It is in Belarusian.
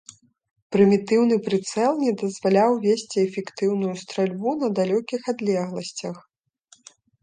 Прымітыўны прыцэл не дазваляў весці эфектыўную стральбу на далёкіх адлегласцях.